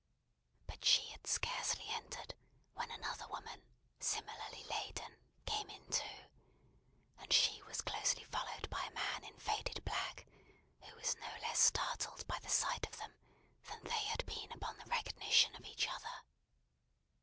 But she had scarcely entered, when another woman, similarly laden, came in too; and she was closely followed by a man in faded black, who was no less startled by the sight of them, than they had been upon the recognition of each other.